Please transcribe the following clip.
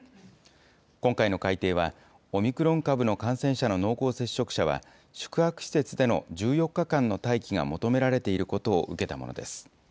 今回の改訂は、オミクロン株の感染者の濃厚接触者は、宿泊施設での１４日間の待機が求められていることを受けたものです。